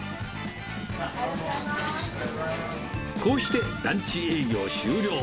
こうしてランチ営業終了。